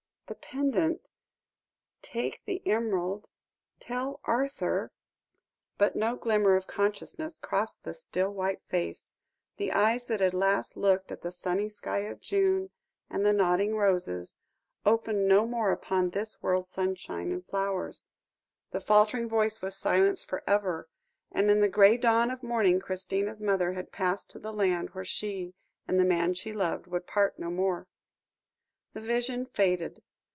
"The pendant take the emerald tell Arthur " But no glimmer of consciousness crossed the still white face; the eyes that had last looked at the sunny sky of June, and the nodding roses, opened no more upon this world's sunshine and flowers, the faltering voice was silenced for ever; and in the grey dawn of morning Christina's mother had passed to the land where she and the man she loved would part no more. The vision faded.